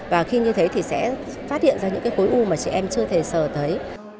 và khi như thế thì sẽ phát hiện ra những cái khối u mà chị em chưa thể sờ thấy